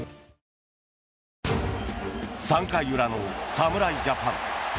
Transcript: ３回裏の侍ジャパン。